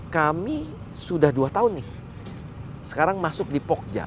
kami sudah dua tahun nih sekarang masuk di pogja